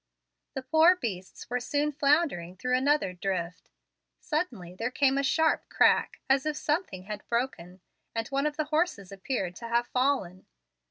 The poor beasts were soon floundering through another drift. Suddenly there came a sharp crack, as if something had broken, and one of the horses appeared to have fallen.